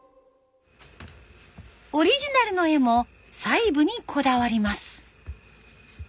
オリジナルの絵も細部にこだわります。